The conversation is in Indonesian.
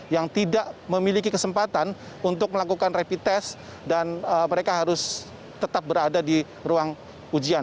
yang tidak memiliki kesempatan untuk melakukan rapid test dan mereka harus tetap berada di ruang ujian